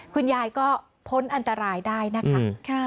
คุณยายก็พ้นอันตรายได้นะคะ